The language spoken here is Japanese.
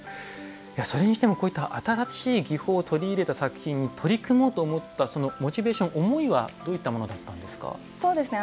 それにしても新しい技法を取り入れた作品に取り組もうと思ったモチベーション思いはどういったものだったんですか？